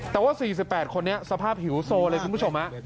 แต่ว่า๔๘คนนี้สภาพหิวโซเลยคุณผู้ชม